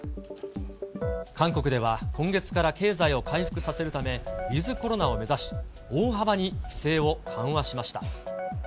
韓国では今月から経済を回復させるため、ウィズコロナを目指し、大幅に規制を緩和しました。